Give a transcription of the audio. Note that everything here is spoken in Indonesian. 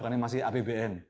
karena ini masih apbn